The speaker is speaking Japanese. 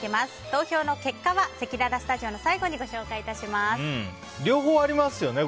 投票の結果はせきららスタジオの最後に両方ありますよね。